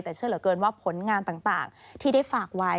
แต่เชื่อเหลือเกินว่าผลงานต่างที่ได้ฝากไว้